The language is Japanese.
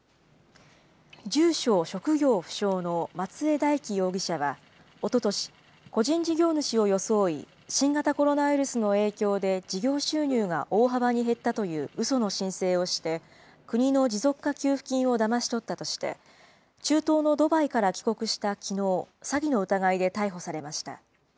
住所・職業不詳の松江大樹容疑者はおととし、個人事業主を装い新型コロナウイルスの影響で事業収入が大幅に減ったといううその申請をして、国の持続化給付金をだまし取ったとして、中東のドバイから帰国したきのう、詐欺の疑いで逮捕されました。